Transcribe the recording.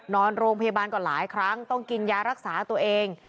นอนโรงพยาบาลก็หลายครั้งต้องกินยารักษาตัวเอง